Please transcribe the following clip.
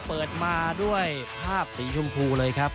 เปิดมาด้วยภาพสีชมพูเลยครับ